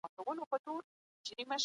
ژبه کولای سي انسان ته ډير زيان ورسوي.